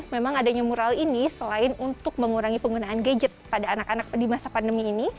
memang adanya mural ini selain untuk mengurangi penggunaan gadget pada anak anak di masa pandemi ini